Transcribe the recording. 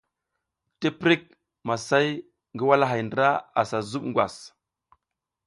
Tiptik, masay ngi walahay ndra ara zub ngwas.